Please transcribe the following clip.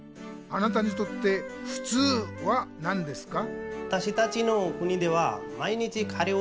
あなたにとって「ふつう」は何ですか？